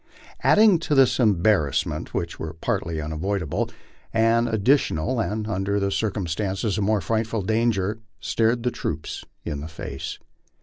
Added to these embar rassments, which were partly unavoidable, an additional and under the circum stances a more frightful danger stared the troops in the face.